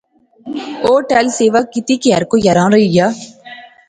او ٹہل سیوا کیتی کہ ہر کوئی حیران رہی گیا